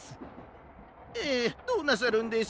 ええどうなさるんです？